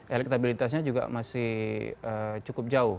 elektabilitasnya juga masih cukup jauh